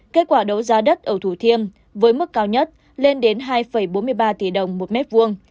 kết quả đấu giá đất ở thủ thiêm với mức cao nhất lên đến hai bốn mươi ba tỷ đồng một mét vuông